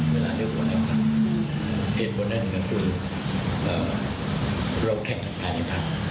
เวลาเรื่องบนแหละค่ะเหตุผลนั่นคือเราแข่งกับพลานิพันธ์